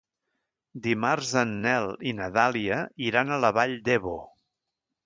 Dimarts en Nel i na Dàlia iran a la Vall d'Ebo.